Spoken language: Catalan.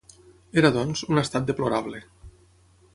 Era, doncs, un estat deplorable